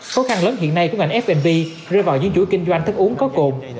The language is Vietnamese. khó khăn lớn hiện nay của ngành f b rơi vào những chuỗi kinh doanh thức uống có cồn